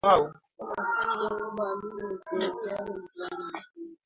Baada ya mwisho wa vita kuu wanachama wa chama cha Ujamaa